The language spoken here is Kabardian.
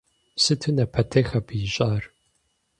Сыту напэтех абы ищӏар.